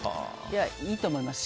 いいと思います。